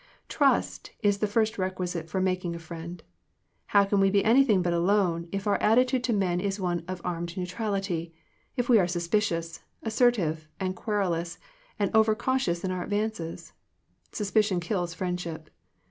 Trust is the first requisite for making a friend. How can we be anything but alone, if our attitude to men is one of armed neutrality, if we are suspicious, and assertive, and querulous, and over cautious in our advances ? Suspicion kills friendship.